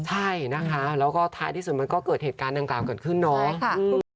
ใช่นะคะแล้วก็ท้ายที่สุดมันก็เกิดเหตุการณ์ดังกล่าวเกิดขึ้นเนาะ